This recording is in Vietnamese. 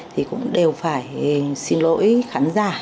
thì cũng đều phải xin lỗi khán giả